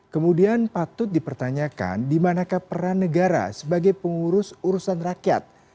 kemudian patut dipertanyakan dimanakah peran negara sebagai pengurus urusan rakyat